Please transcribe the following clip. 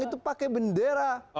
itu pakai bendera